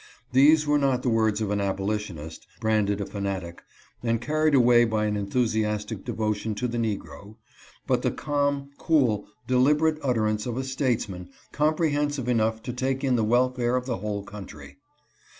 These were not the words of an abolitionist — branded a fanatic, and carried away by an enthusiastic devotion to the Negro — but the calm, cool, deliberate utterance of a statesman, 364 LINCOLN AND DOUGLAS. comprehensive enough to take in the welfare of the whole country.